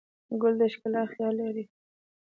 ګل د ښکلا خیال لري.